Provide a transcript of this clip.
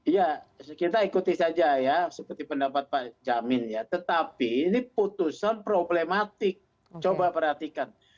ya kita ikuti saja ya seperti pendapat pak jamin ya tetapi ini putusan problematik coba perhatikan